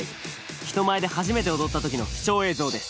人前で初めて踊ったときの貴重映像です。